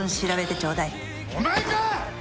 お前か！